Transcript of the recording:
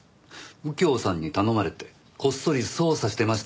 右京さんに頼まれてこっそり捜査してましたよね？